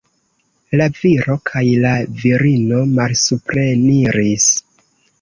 La viro kaj la virino malsupreniris.